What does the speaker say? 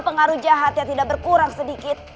pengaruh jahatnya tidak berkurang sedikit